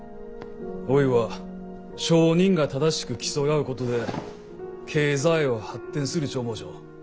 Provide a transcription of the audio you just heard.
おいは商人が正しく競い合うことで経済は発展するち思っちょ。